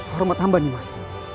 hormat hamba nimas